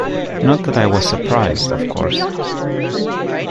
Not that I was surprised, of course.